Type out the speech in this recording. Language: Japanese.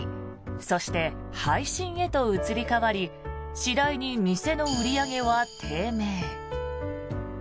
そして、配信へと移り変わり次第に店の売り上げは低迷。